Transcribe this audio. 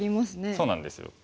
そうなんですよ。